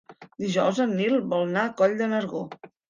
Dijous en Nil vol anar a Coll de Nargó.